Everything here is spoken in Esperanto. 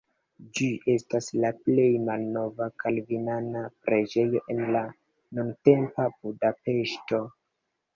Ĝi estas la plej malnova kalvinana preĝejo en la nuntempa Budapeŝto.